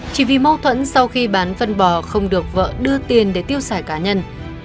chỉ vì mâu thuẫn sau khi bán phân bò không được vợ đưa tiền để tiêu xài cá nhân